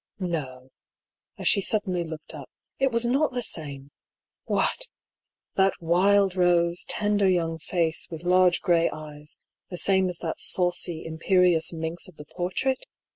No — as she suddenly looked up — ^it was not the same I What I that wild rose, tender young face, with large grey eyes, the same as that saucy, imperious minx of the portrait